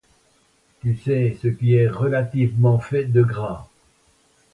Tu sais ce qui est relativement fait de gras ?